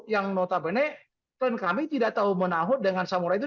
yang notabene kami tidak tahu menahuk dengan samurai itu